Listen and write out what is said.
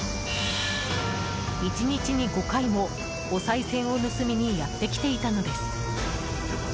１日に５回も、おさい銭を盗みにやってきていたのです。